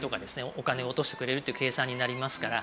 お金を落としてくれるっていう計算になりますから。